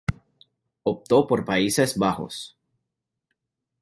Optó por Países Bajos.